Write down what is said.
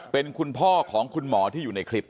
เป็นคุณพ่อของคุณหมอที่อยู่ในคลิป